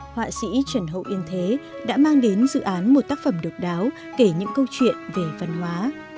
họa sĩ trần hậu yên thế đã mang đến dự án một tác phẩm độc đáo kể những câu chuyện về văn hóa